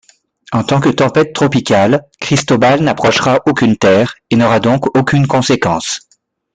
En tant que tempête tropicale, Cristobal n'approchera aucune terre, et n'aura donc aucune conséquence.